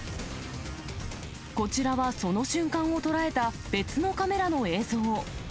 こちらはその瞬間を捉えた別のカメラの映像。